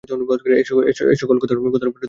এ-সকল কথার উপরে প্রতিবাদ চলে না।